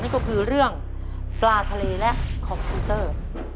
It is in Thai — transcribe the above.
นั่นก็คือเรื่องปลาทะเลและคอมพิวเตอร์